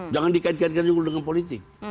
jangan dikaitkan juga dengan politik